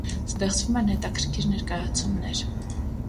Ստեղծվում են հետաքրքիր ներկայացումներ։